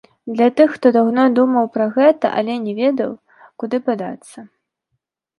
Для тых, хто даўно думаў пра гэта, але не ведаў, куды падацца.